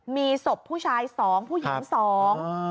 มีศพผู้ชาย๒ผู้หญิง๒